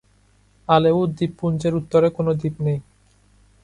আলেউত দ্বীপপুঞ্জের উত্তরে কোন দ্বীপ নেই।